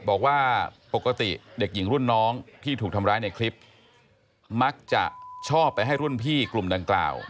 บอกว่าปกติเด็กหญิงรุ่นน้องที่ถูกทำร้ายในคลิปมักจะชอบไปให้รุ่นพี่กลุ่มดังกล่าว